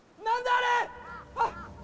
あれ！